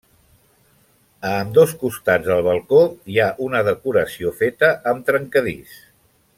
A ambdós costats del balcó hi ha una decoració feta amb trencadís.